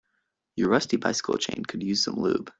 Your rusty bicycle chain could use some lube.